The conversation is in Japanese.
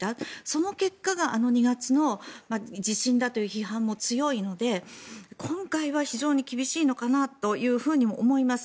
その結果があの２月の地震だという批判も強いので今回は非常に厳しいのかなとも思います。